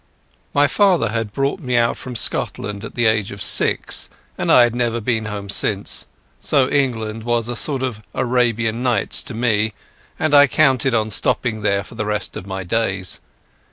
My father had brought me out from Scotland at the age of six, and I had never been home since; so England was a sort of Arabian Nights to me, and I counted on stopping there for the rest of my days.